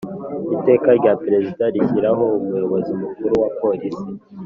Iteka rya Perezida rishyiraho Umuyobozi Mukuru wa police